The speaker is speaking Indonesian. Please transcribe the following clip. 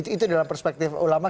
itu dalam perspektif ulama